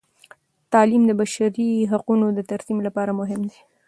تعلیم د بشري حقونو د ترسیم لپاره مهم دی.